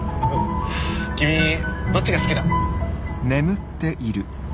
君どっちが好きだ？